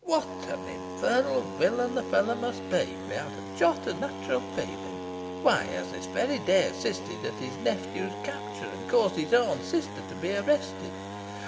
What an infernal villain the fellow must be! without a jot of natural feeling. Why, he has this very day assisted at his nephew's capture, and caused his own sister to be arrested.